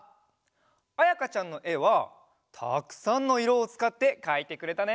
あやかちゃんのえはたくさんのいろをつかってかいてくれたね！